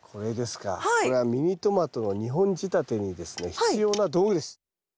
これはミニトマトの２本仕立てにですね必要な道具です。